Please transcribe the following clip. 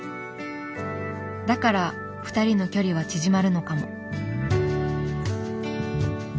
だから２人の距離は縮まるのかも。